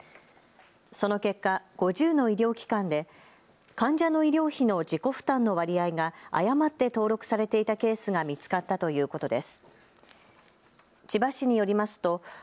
その結果、５０の医療機関で患者の医療費の自己負担の割合が誤って登録されていたケースが見つかったということです。